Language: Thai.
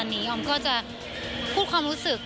อันนี้ยอมก็จะพูดความรู้สึก